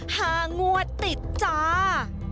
หางัวติดจ้า